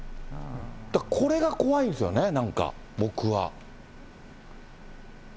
だからこれが怖いんですよね、なんか僕は。